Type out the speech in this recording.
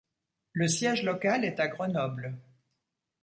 Le siège local est à Grenoble.